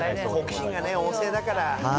好奇心が旺盛だから。